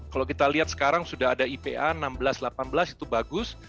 kalau kita lihat sekarang sudah ada ipa enam belas delapan belas itu bagus